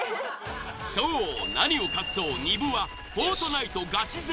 そう何を隠そう丹生は。